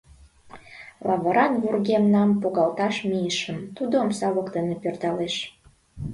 Лавыран вургемнам погалташ мийышым — тудо омса воктене пӧрдалеш...